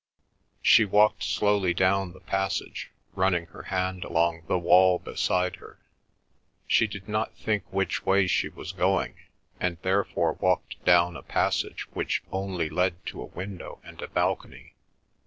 She walked slowly down the passage, running her hand along the wall beside her. She did not think which way she was going, and therefore walked down a passage which only led to a window and a balcony.